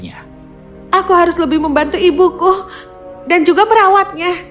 aku harus lebih membantu ibuku dan juga merawatnya